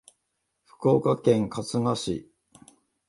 福岡県春日市